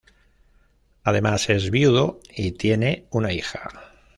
Además es viudo y tiene una hija.